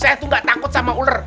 saya tuh gak takut sama ular